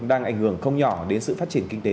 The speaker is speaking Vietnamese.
đang ảnh hưởng không nhỏ đến sự phát triển kinh tế